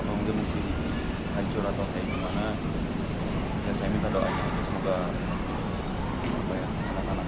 atau mungkin masih hancur atau kayak gimana